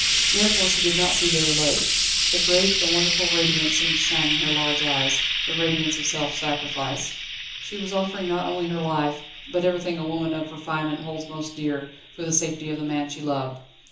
Therefore she did not see Déroulède. A great, a wonderful radiance seemed to shine in her large eyes the radiance of self sacrifice. She was offering not only her life, but everything a woman of refinement holds most dear, for the safety of the man she loved.